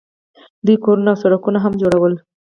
دوی کورونه او سړکونه هم جوړول.